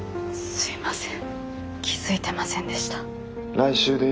すいません。